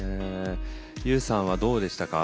Ｕさんはどうでしたか？